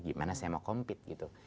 gimana saya mau compete gitu